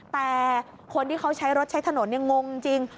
แต่คนที่เขาใช้รถใช้ถนนงงจริง